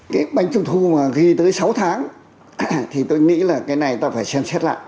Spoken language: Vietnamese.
cái bánh trung thu mà ghi tới sáu tháng thì tôi nghĩ là cái này ta phải xem xét lại